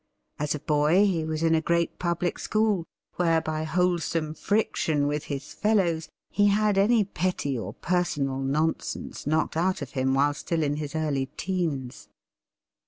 As a boy he was in a great public school, where, by wholesome friction with his fellows, he had any petty or personal nonsense knocked out of him while still in his early "teens."